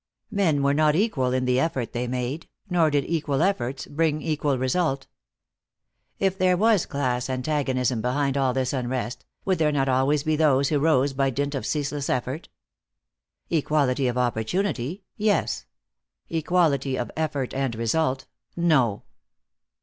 Men were not equal in the effort they made, nor did equal efforts bring equal result. If there was class antagonism behind all this unrest, would there not always be those who rose by dint of ceaseless effort? Equality of opportunity, yes. Equality of effort and result, no.